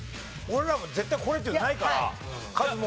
俺らも絶対これっていうのないからカズ